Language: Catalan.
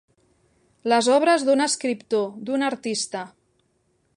Les obres d'un escriptor, d'un artista.